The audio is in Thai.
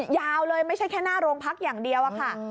ยาวเลยไม่ใช่แค่หน้าโรงพักอย่างเดียวอะค่ะ